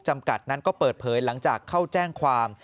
จำกัดนั้นก็เปิดเผยหลังจากเข้าแจ้งความ